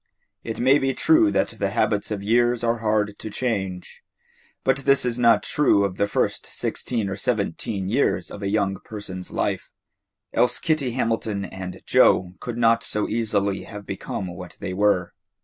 It may be true that the habits of years are hard to change, but this is not true of the first sixteen or seventeen years of a young person's life, else Kitty Hamilton and Joe could not so easily have become what they were.